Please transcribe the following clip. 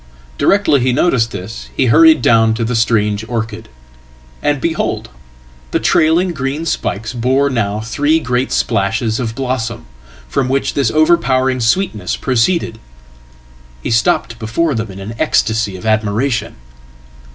Directly he noticed this he hurried down to the strange orchid. And, behold! the trailing green spikes bore now three great splashes ofblossom, from which this overpowering sweetness proceeded. He stoppedbefore them in an ecstasy of admiration.